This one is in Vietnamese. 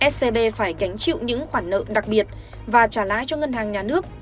scb phải gánh chịu những khoản nợ đặc biệt và trả lãi cho ngân hàng nhà nước